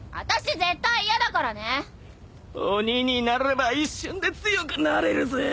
鬼になれば一瞬で強くなれるぜ。